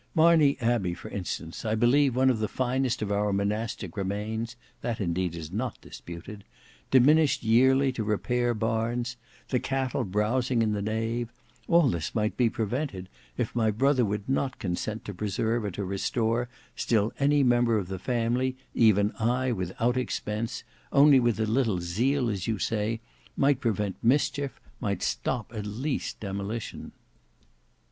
Marney Abbey, for instance, I believe one of the finest of our monastic remains,—that indeed is not disputed—diminished yearly to repair barns; the cattle browsing in the nave; all this might be prevented, If my brother would not consent to preserve or to restore, still any member of the family, even I, without expense, only with a little zeal as you say, might prevent mischief, might stop at least demolition."